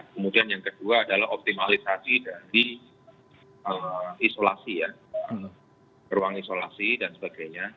kemudian yang kedua adalah optimalisasi dari isolasi ya ruang isolasi dan sebagainya